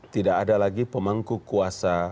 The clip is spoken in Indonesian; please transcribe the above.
tidak ada lagi pemangku kuasa